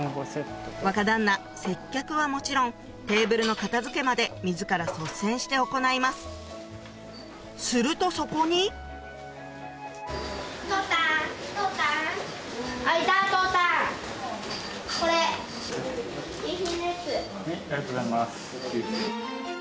若旦那接客はもちろんテーブルの片付けまで自ら率先して行いますするとそこにありがとうございます。